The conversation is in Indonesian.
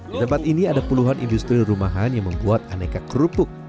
di tempat ini ada puluhan industri rumahan yang membuat aneka kerupuk